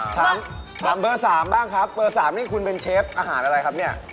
ถามเบอร์๓บ้างครับเบอร์๓นี่คุณเป็นเชฟอาหารอะไรครับเนี่ย